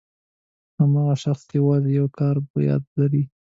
هماغه شخص یوازې یو کار په یاد لري.